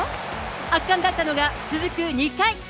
圧巻だったのが、続く２回。